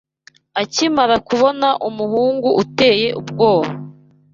Akimara kubona umuhungu uteye ubwoba